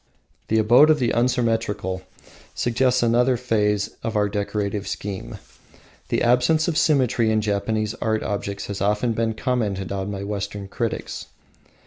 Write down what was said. The "Abode of the Unsymmetrical" suggests another phase of our decorative scheme. The absence of symmetry in Japanese art objects has been often commented on by Western critics.